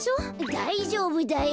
だいじょうぶだよ。